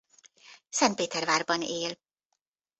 Szentpétervárban él.